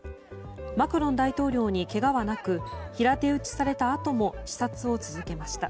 マクロン大統領にけがはなく平手打ちされたあとも視察を続けました。